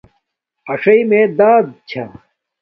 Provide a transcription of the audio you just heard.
آݽݶ مِیں دادؑ چھݴ